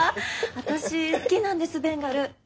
私好きなんですベンガル。